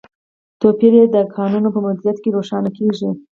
توپیر یې د کانونو په مدیریت کې روښانه کیږي.